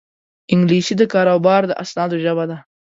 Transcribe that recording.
انګلیسي د کاروبار د اسنادو ژبه ده